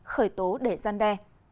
khởi tố để gian đe